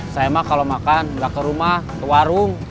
saya mah kalau makan gak ke rumah ke warung